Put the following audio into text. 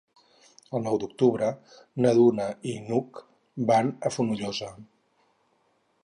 El nou d'octubre na Duna i n'Hug van a Fonollosa.